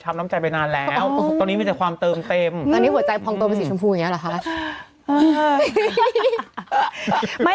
แองจี้แบบว่าไปทุกคนเลยรู้รึ